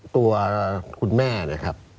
ตัวคุณแม่เนี่ยครับ